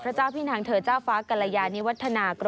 พบว่าช้างทุกเชือกสุขภาพแข็งแรงดีกว่าค่ะ